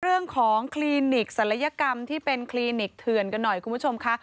คลินิกศัลยกรรมที่เป็นคลินิกเถื่อนกันหน่อยคุณผู้ชมค่ะ